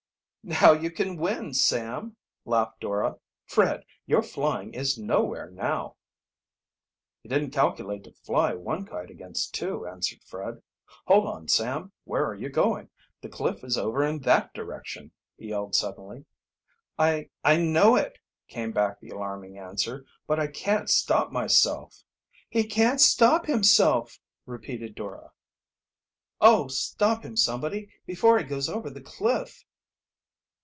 "Now you can win, Sam!" laughed Dora. "Fred, your flying is nowhere now." "He didn't calculate to fly one kite against two," answered Fred. "Hold on, Sam, where are you going? The cliff is over in that direction!" he yelled suddenly. "I I know it!" came back the alarming answer. "But I can't stop myself!" "He can't stop himself!" repeated Dora. "Oh, stop him somebody, before he goes over the cliff!"